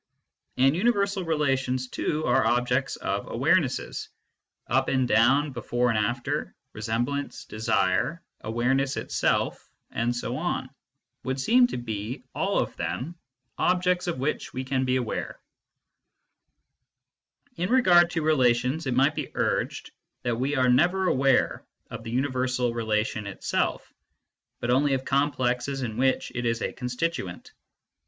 And universal relations, too. KNOWLEDGE BY ACQUAINTANCE 213 are objects of awarenesses ; up and down, before and after, resemblance, desire, awareness itself, and so on, would seem to be all of them objects of which we can be aware, w f ..j*urJw c i In regard to relations, it might be urged that we are never aware of the universal relation/itself , but only of complexes in which it is a constituent.